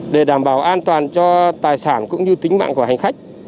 để đảm bảo an toàn cho tài sản cũng như tính mạng của hành khách